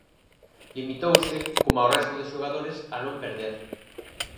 Limitouse, coma o resto de xogadores, a non perder.